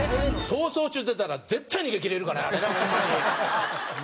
『逃走中』出たら絶対逃げきれるからホンマに。